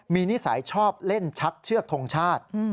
มีนิสัยชอบเล่นชักเชือกทงชาติ